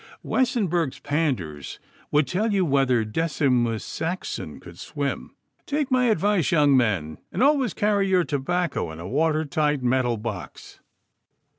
Wessenburg's Pandours would tell you whether Decimus Saxon could swim. Take my advice, young men, and always carry your tobacco in a water tight metal box.